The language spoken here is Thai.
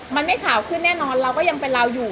มันไม่ขาวขึ้นแน่นอนเราก็ยังเป็นเราอยู่